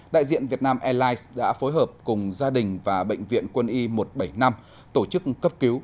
đại diện việt nam airlines đã phối hợp cùng gia đình và bệnh viện quân y một trăm bảy mươi năm tổ chức cấp cứu